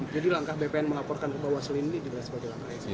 jadi langkah bpn mengaporkan kebawah selini tidak sebagai langkah bpn